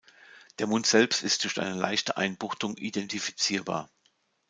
Der Mund selbst ist durch eine leichte Einbuchtung identifizierbar.